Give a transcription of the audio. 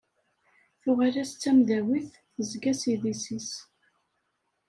Tuɣal-as d tamdawit tezga s idis-is.